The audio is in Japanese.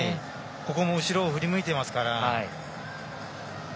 ここも後ろを振り向いていますから。